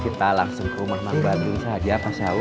kita langsung rumah mbak badri saja pak saus